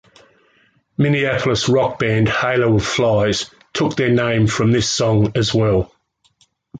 Minneapolis rock band Halo of Flies took their name from this song as well.